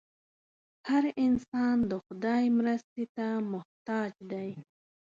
هر انسان د خدای مرستې ته محتاج دی.